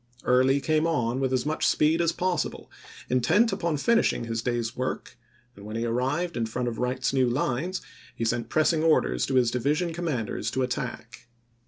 Early came on with as much Vol. IX.— 21 322 ABRAHAM LINCOLN chap. xiv. speed as possible, intent upon finishing his day's work, and when he arrived in front of Wright's new lines he sent pressing orders to his division commanders to attack.